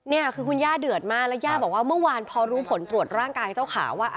นี่คือคุณย่าเดือดมากแล้วย่าบอกว่าเมื่อวานพอรู้ผลตรวจร่างกายเจ้าขาว่า